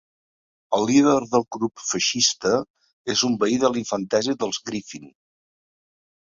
El líder del grup feixista és un veí de la infantesa dels Griffin.